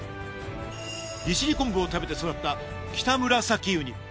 利尻昆布を食べて育ったキタムラサキウニ。